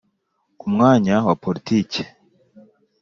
ku mwanya wa politike,